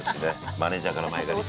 マネジャーから前借りして。